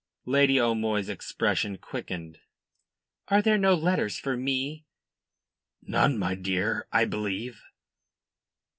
Lady O'Moy's expression quickened. "Are there no letters for me?" "None, my dear, I believe."